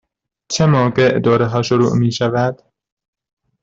چه موقع دوره ها شروع می شود؟